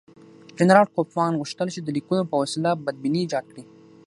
جنرال کوفمان غوښتل چې د لیکونو په وسیله بدبیني ایجاد کړي.